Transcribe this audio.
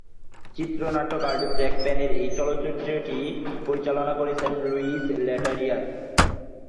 চিত্রনাট্যকার জ্যাক পেনের এ চলচ্চিত্রটি পরিচালনা করেছেন লুইস লেটারিয়ার।